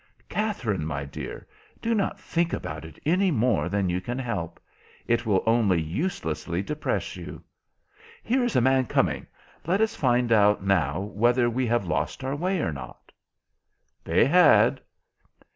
"Katherine, my dear, do not think about it any more than you can help. It will only uselessly depress you. Here is a man coming. Let us find out now whether we have lost our way or not." They had.